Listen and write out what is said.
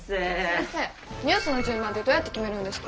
先生ニュースの順番ってどうやって決めるんですか？